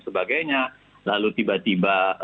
sebagainya lalu tiba tiba